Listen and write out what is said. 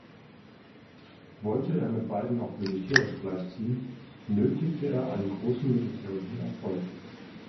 Wollte er mit beiden auch militärisch gleichziehen, benötigte er einen großen militärischen Erfolg.